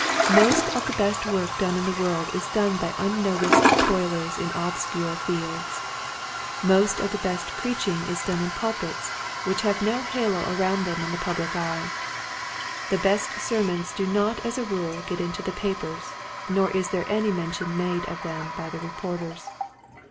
Most of the best work done in the world is done by unnoticed toilers in obscure fields. Most of the best preaching is done in pulpits which have 2o6 Quiet Hints to Growing Preachers. no halo around them in the public eye. The best sermons do not as a rule get into the papers, nor is any mention made of them by the reporters.